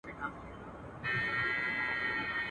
شمعي ته به نه وایې چي مه سوځه.